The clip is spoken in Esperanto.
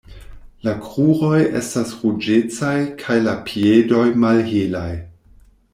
La kruroj estas ruĝecaj kaj la piedoj malhelaj.